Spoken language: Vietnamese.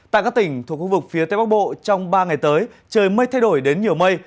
tại các tỉnh thuộc khu vực phía tây bắc bộ trong ba ngày tới trời mây thay đổi đến nhiều mây